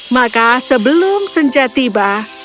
maka sebelum senja tiba